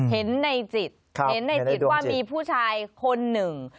เห็นในจิตว่ามีผู้ชายคนหนึ่ง